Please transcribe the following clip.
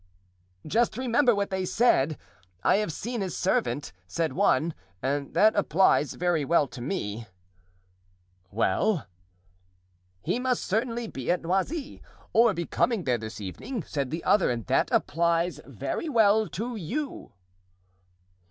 "Just remember what they said. 'I have seen his servant,' said one, and that applies very well to me." "Well?" "'He must certainly be at Noisy, or be coming there this evening,' said the other; and that applies very well to you."